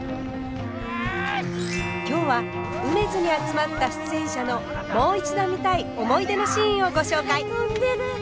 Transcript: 今日はうめづに集まった出演者のもう一度見たい思い出のシーンをご紹介。